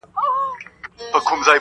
هغه وخت چي زه صدراعظم وم